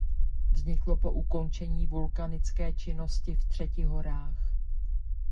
Vzniklo po ukončení vulkanické činnosti v třetihorách.